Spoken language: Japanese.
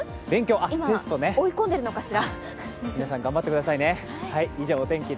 今、追い込んでるのかしら。